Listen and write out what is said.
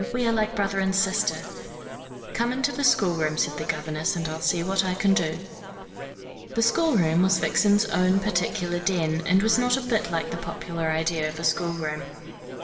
We are like brother and sister." "Come into the schoolroom," said the governess, "and I'll see what I can do." The schoolroom was Vixen's own particular den, and was not a bit like the popular idea of a schoolroom.